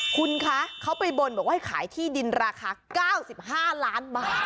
คุณคะเขาไปบนบอกว่าให้ขายที่ดินราคา๙๕ล้านบาท